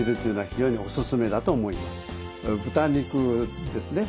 豚肉ですね。